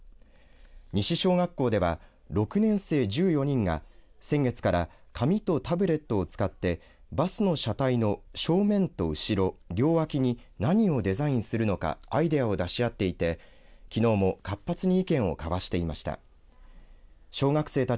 西小学校では６年生１４人が先月から紙とタブレットを使ってバスの車体の正面と後ろ両脇に何をデザインするのかアイデアを出し合っていてきのうも活発に意見を交わしていました。